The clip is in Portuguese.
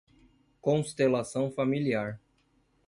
Constelação familiar